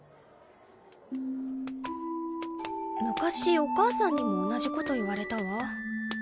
昔お母さんにも同じこと言われたわ。